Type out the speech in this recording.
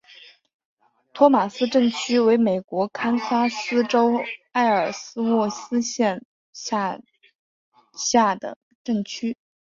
托马斯镇区为美国堪萨斯州埃尔斯沃思县辖下的镇区。